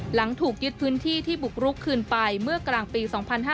หลังถูกยึดพื้นที่ที่บุกรุกคืนไปเมื่อกลางปี๒๕๕๙